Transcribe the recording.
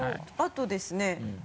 あとですね。